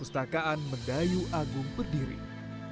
mungkin ini adalah tempat yang terbaik untuk mencari penyelamatkan buku buku